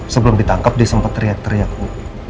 sebelum ditangkap dia sempat teriak teriak